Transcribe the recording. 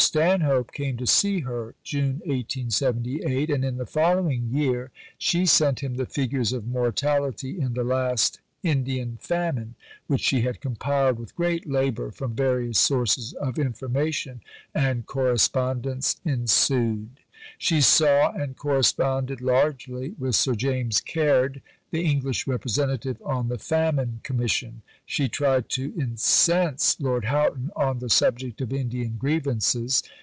Stanhope came to see her (June 1878); and in the following year she sent him the figures of mortality in the last Indian famine, which she had compiled with great labour from various sources of information, and correspondence ensued. She saw and corresponded largely with Sir James Caird, the English representative on the Famine Commission. She tried to incense Lord Houghton on the subject of Indian grievances.